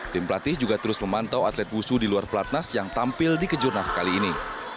tim pelatih juga terus memantau atlet wusu di luar pelatnas yang tampil di kejurnas kali ini